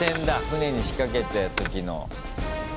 船に仕掛けた時の。